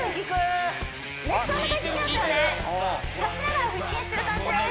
立ちながら腹筋してる感じです